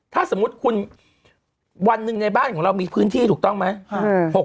ถ้าสมมุติคุณวันหนึ่งในบ้านของเรามีพื้นที่ถูกต้องไหม